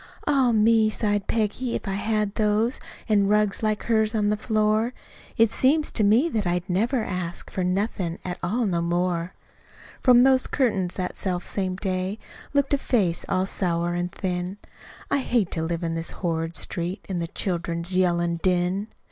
"Ah, me!" sighed Peggy. "If I had those An' rugs like hers on the floor, It seems to me that I'd never ask For nothin' at all no more." ..... From out those curtains that selfsame day, Looked a face all sour an' thin. "I hate to live on this horrid street, In the children's yellin' din!